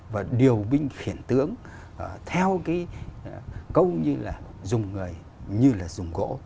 và điều binh khiển tướng theo cái câu như là dùng người như là dùng gỗ